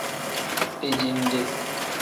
Dijinde.